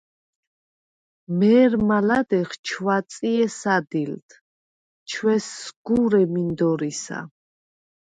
მე̄რმა ლადეღ ჩვაწჲე სადილდ, ჩვესსგურე მინდორისა.